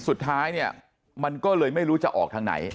สุดท้ายเนี่ยมันก็เลยไม่รู้จะออกทางไหน